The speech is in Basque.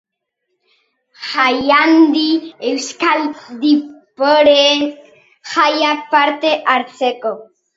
Jaialdian, euskal diasporaren jaian, parte hartzeko.